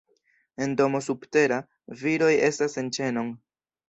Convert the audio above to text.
En domo subtera, viroj estas en ĉenon.